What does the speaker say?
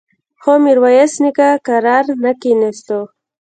خو ميرويس نيکه کرار نه کېناسته.